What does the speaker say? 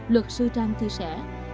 luật sư trang thư sẻ